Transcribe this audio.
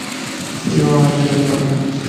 يو آبِ زم زمَ